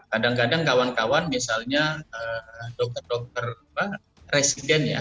kadang kadang kawan kawan misalnya dokter dokter resident ya